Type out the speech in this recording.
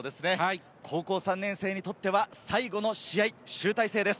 高校３年生にとっては最後の試合、集大成です。